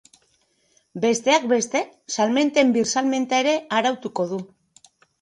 Besteak beste, salmenten birsalmenta ere arautuko du.